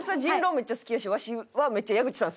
めっちゃ好きやしわしはめっちゃ矢口さん